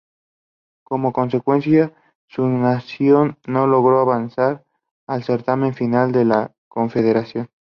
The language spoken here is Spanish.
Como consecuencia, su nación no logró avanzar al certamen final de la confederación.